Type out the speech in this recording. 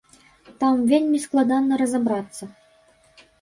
Там вельмі складана разабрацца.